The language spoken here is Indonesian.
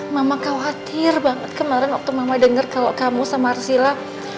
mama khawatir banget kemarin waktu mama dengar kalau kamu sama arsila